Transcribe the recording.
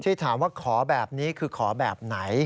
ที่ถามว่าขอแบบนี้คือขอแบบไหน